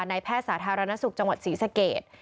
แพทย์สาธารณสุขจังหวัดศรีสเกต